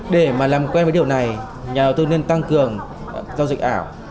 để mà làm quen với điều này nhà đầu tư nên tăng cường giao dịch ảo